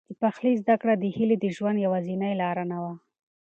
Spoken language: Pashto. د پخلي زده کړه د هیلې د ژوند یوازینۍ لاره نه وه.